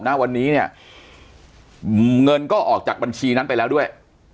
ณวันนี้เนี่ยเงินก็ออกจากบัญชีนั้นไปแล้วด้วย